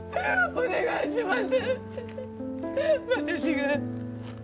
お願いします。